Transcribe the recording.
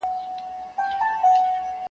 د پولادو په سینو کي .